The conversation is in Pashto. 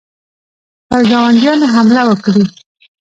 پر ګاونډیانو حمله وکړي.